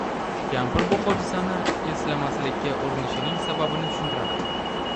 Kampir bu hodisani eslamaslikka urinishining sababini tushuntiradi